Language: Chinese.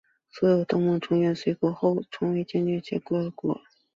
所有东盟成员国随后成为签约国。